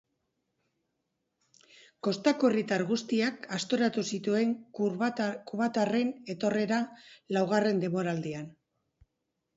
Kostako herritar guztiak aztoratu zituen kubatarraren etorrerak laugarren denboraldian.